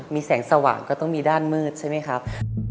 มีแสงสว่างก็ต้องมีด้านมืดใช่ไหมครับ